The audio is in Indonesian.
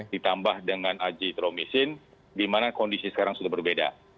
ditambah dengan ajitromisin dimana kondisi sekarang sudah berbeda